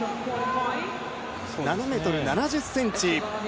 ７ｍ７０ｃｍ。